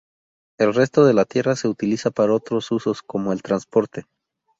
El resto de la tierra se utiliza para otros usos, como el transporte.